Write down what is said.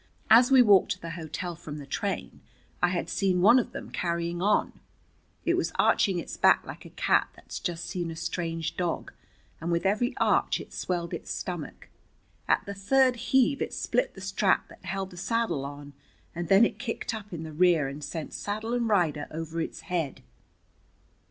As we walked to the hotel from the train I had seen one of than carrying on. It was arching its back like a cat that's just seen a strange dog, and with every arch it swelled its stomach. At the third heave it split the strap that held the saddle on, and then it kicked up in the rear and sent saddle and rider over its head.